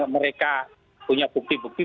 mereka punya bukti bukti